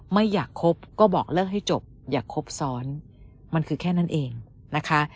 ไม่อยากคบก็บอกเลิกให้จบอย่าครบซ้อนมันคือแค่นั้นเองนะคะ